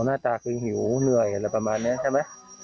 หน้าตาคือหิวเหนื่อยอะไรประมาณนี้ใช่ไหม